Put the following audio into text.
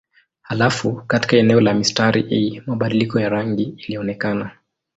Halafu katika eneo la mistari hii mabadiliko ya rangi ilionekana.